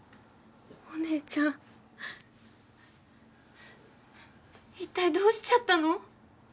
お姉ちゃん一体どうしちゃったの？